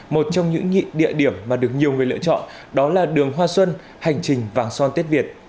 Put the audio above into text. một trong những địa điểm mà được nhiều người lựa chọn đó là đường hoa xuân hành trình vàng son tết việt